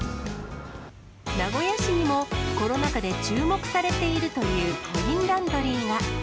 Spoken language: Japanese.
名古屋市にも、コロナ禍で注目されているというコインランドリーが。